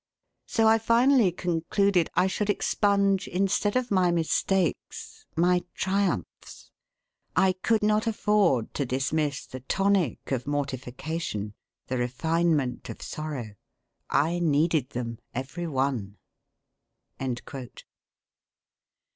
So I finally concluded I should expunge, instead of my mistakes, my triumphs. I could not afford to dismiss the tonic of mortification, the refinement of sorrow; I needed them every one."